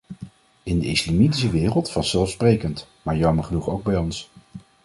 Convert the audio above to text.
In de islamitische wereld vanzelfsprekend, maar jammer genoeg ook bij ons.